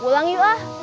pulang yuk ah